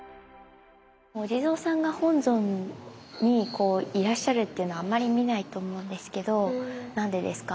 お地蔵さんが本尊にいらっしゃるっていうのはあまり見ないと思うんですけど何でですか？